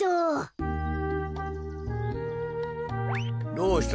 どうした？